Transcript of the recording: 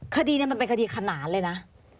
คดีนี้มันเป็นคดีขนานเลยนะ